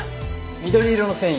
緑色の繊維。